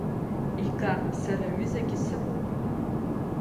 Ига, сара аҩызагьы сымоуп.